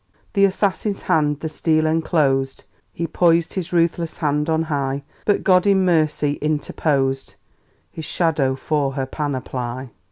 The assassin's hand the steel enclosed, He poised his ruthless hand on high But God in mercy interposed His shadow for her panoply.